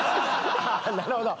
なるほど。